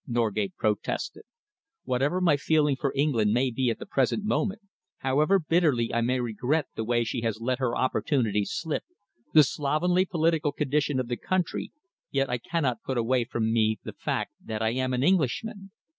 Norgate protested. "Whatever my feeling for England may be at the present moment, however bitterly I may regret the way she has let her opportunities slip, the slovenly political condition of the country, yet I cannot put away from me the fact that I am an Englishman.